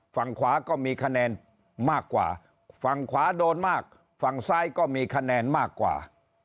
ฝั่งขวาก็มีคะแนนมากกว่าฝั่งขวาโดนมากฝั่งซ้ายก็มีคะแนนมากกว่า